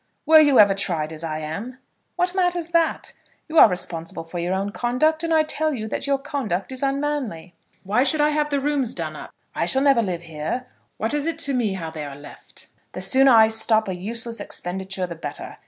"Were you ever tried as I am?" "What matters that? You are responsible for your own conduct, and I tell you that your conduct is unmanly." "Why should I have the rooms done up? I shall never live here. What is it to me how they are left? The sooner I stop a useless expenditure the better.